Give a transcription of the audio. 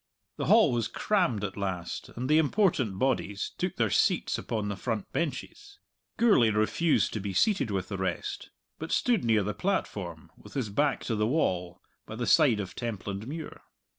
The hall was crammed at last, and the important bodies took their seats upon the front benches. Gourlay refused to be seated with the rest, but stood near the platform, with his back to the wall, by the side of Templandmuir.